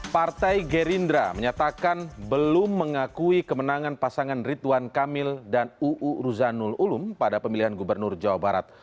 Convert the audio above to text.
partai gerindra menyatakan belum mengakui kemenangan pasangan ridwan kamil dan uu ruzanul ulum pada pemilihan gubernur jawa barat